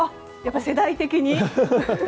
世代的に。